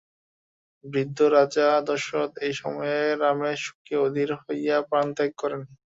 বৃদ্ধ রাজা দশরথও এই সময়ে রামের শোকে অধীর হইয়া প্রাণত্যাগ করেন।